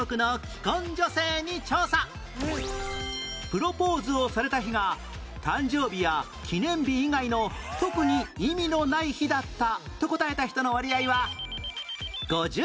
プロポーズをされた日が誕生日や記念日以外の特に意味のない日だったと答えた人の割合は５０パーセントより上？